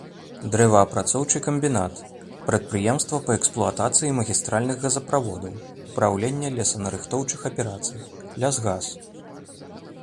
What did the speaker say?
Дрэваапрацоўчы камбінат, прадпрыемства па эксплуатацыі магістральных газаправодаў, упраўленне лесанарыхтоўчых аперацый, лясгас.